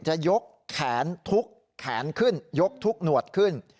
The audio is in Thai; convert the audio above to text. จะยกแขนทุกแขนขึ้นยกทุกหนวดขึ้น